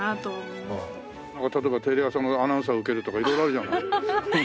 例えばテレ朝のアナウンサー受けるとか色々あるじゃない？